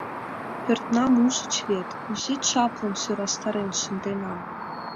Пӧртнам ужыч вет, кузе чаплын сӧрастарен шынденам.